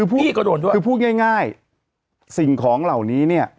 พี่ก็โดนด้วยคือพูดง่ายสิ่งของเหล่านี้นี่